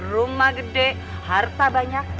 rumah gede harta banyak